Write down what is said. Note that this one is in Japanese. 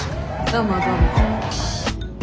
どうもどうも。